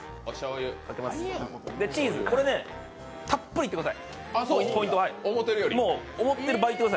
チーズ、これねたっぷりいってください、ポイントです。